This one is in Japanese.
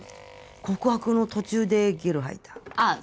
告白の途中でゲロ吐いたああ